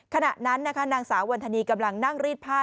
ขณะนั้นนางสาววรรณฑณีย์กำลังนั่งรีดผ้า